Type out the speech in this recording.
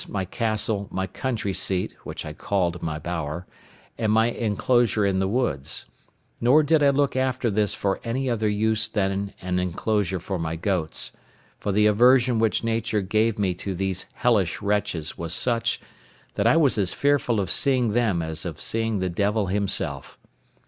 my castle, my country seat (which I called my bower), and my enclosure in the woods: nor did I look after this for any other use than an enclosure for my goats; for the aversion which nature gave me to these hellish wretches was such, that I was as fearful of seeing them as of seeing the devil himself.